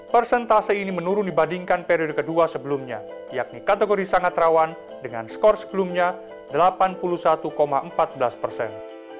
persentase ini menurun dibandingkan periode kedua sebelumnya yakni kategori sangat rawan dengan skor sebelumnya delapan puluh satu empat belas persen